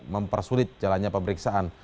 mempersulit jalannya pemeriksaan